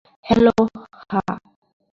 হাহ, hello.